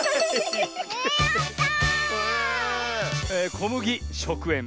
こむぎしょくえん